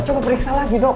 coba periksa lagi dok